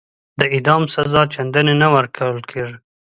د اعدام سزا چنداني نه ورکول کیږي.